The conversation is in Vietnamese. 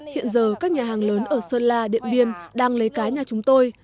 hiện giờ các nhà hàng lớn ở sơn la điện biên đang lấy cá nhà chúng tôi